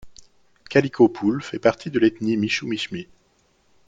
Kalikho Pul fait partie de l'éthnie Mishu Mishmi.